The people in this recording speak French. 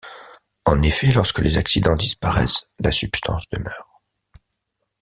En effet, lorsque les accidents disparaissent, la substance demeure.